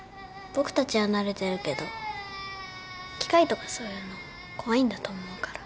僕たちは慣れてるけど機械とかそういうの怖いんだと思うから。